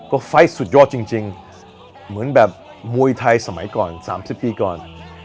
ก็ไฟล์สุดยอดจริงเหมือนแบบมวยไทยสมัยก่อน๓๐ปีก่อน